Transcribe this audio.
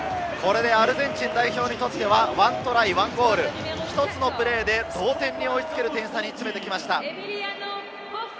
アルゼンチン代表にとっては１トライ１ゴール、１つのプレーで同点に追いつける点差に詰めてきました。